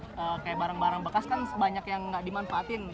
kayak barang barang bekas kan banyak yang nggak dimanfaatin